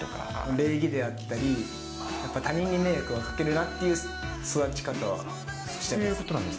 礼儀であったり、やっぱ他人に迷惑かけるなっていう育ち方はしてます。